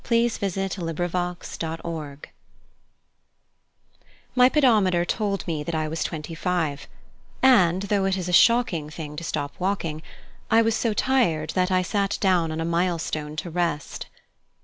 THE OTHER SIDE OF THE HEDGE My pedometer told me that I was twenty five; and, though it is a shocking thing to stop walking, I was so tired that I sat down on a milestone to rest.